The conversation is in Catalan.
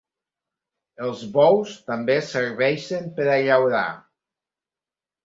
Els bous també serveixen per a llaurar.